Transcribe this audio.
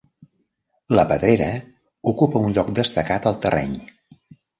La pedrera ocupa un lloc destacat al terreny.